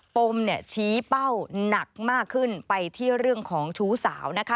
ปมเนี่ยชี้เป้าหนักมากขึ้นไปที่เรื่องของชู้สาวนะคะ